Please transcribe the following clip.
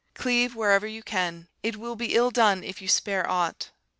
Cleave wherever you can; it will be ill done if you spare aught.'